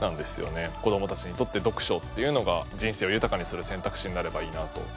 子どもたちにとって読書っていうのが人生を豊かにする選択肢になればいいなと。